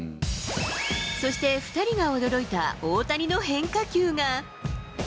そして、２人が驚いた大谷の変化球が。